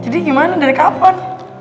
jadi gimana dari kapan